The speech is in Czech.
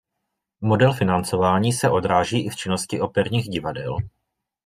Model financování se odráží i v činnosti operních divadel.